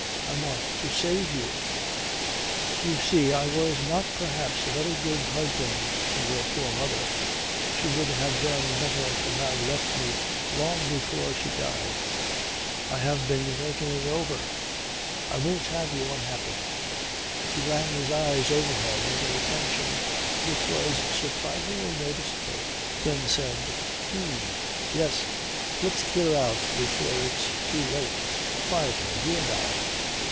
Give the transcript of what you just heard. I want to save you. You see I was not perhaps a very good husband to your poor mother. She would have done better to have left me long before she died. I have been thinking it all over. I won't have you unhappy." He ran his eyes over her with an attention which was surprisingly noticeable. Then said, "H'm! Yes. Let's clear out before it is too late. Quietly, you and I."